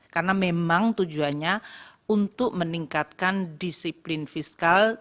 karena memang tujuannya untuk meningkatkan disiplin fiskal